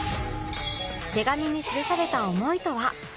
手紙に記された思いとは？